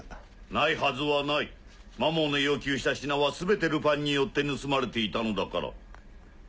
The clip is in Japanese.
ないはずはないマモーの要求した品は全てルパンによって盗まれていたのだから。